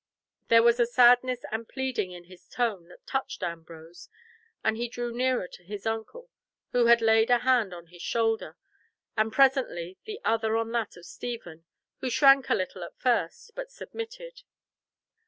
There was a sadness and pleading in his tone that touched Ambrose, and he drew nearer to his uncle, who laid a hand on his shoulder, and presently the other on that of Stephen, who shrank a little at first, but submitted.